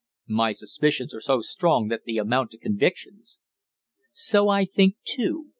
"My suspicions are so strong that they amount to convictions." "So I think, too.